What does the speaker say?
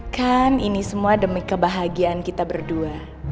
kan ini semua demi kebahagiaan kita berdua